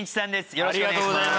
よろしくお願いします。